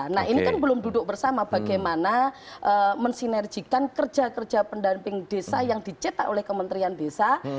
nah ini kan belum duduk bersama bagaimana mensinerjikan kerja kerja pendamping desa yang dicetak oleh kementerian desa